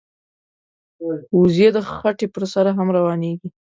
وزې د خټې پر سر هم روانېږي